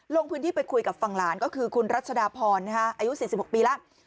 ลงพื้นที่ไปคุยกับฝั่งหลานก็คือคุณรัชดาพรอายุ๔๖ปีแล้ว